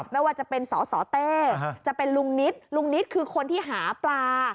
ไม่ว่าจะเป็นสสเต้จะเป็นลุงนิดลุงนิดคือคนที่หาปลา